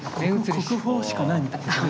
国宝しかないみたいな。